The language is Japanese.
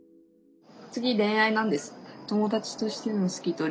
次恋愛なんです。